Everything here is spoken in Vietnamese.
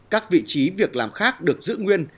các vị trí việc làm khác được giữ nguyên